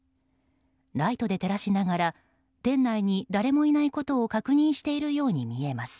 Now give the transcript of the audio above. ライトで照らしながら店内に誰もいないことを確認しているよう見えます。